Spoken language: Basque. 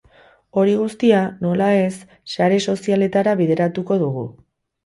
Hori guztia, nola ez, sare sozialetara bideratuko dugu.